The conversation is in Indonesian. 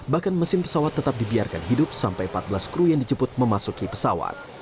bahkan mesin pesawat tetap dibiarkan hidup sampai empat belas kru yang dijemput memasuki pesawat